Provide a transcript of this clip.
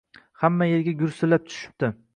Hamma yerga gursillab tushibdi